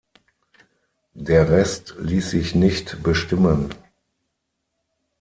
Der Rest ließ sich nicht bestimmen.